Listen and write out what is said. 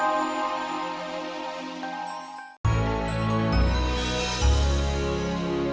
hasil hasil mata duit